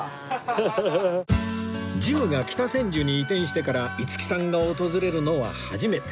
ジムが北千住に移転してから五木さんが訪れるのは初めて